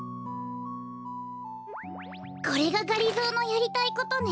これががりぞーのやりたいことね。